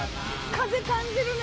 風感じるね。